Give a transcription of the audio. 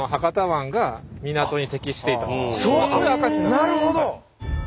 なるほど！